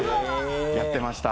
やってました。